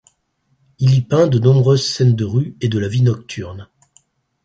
Il y peint de nombreuses scènes de rue et de la vie nocturne.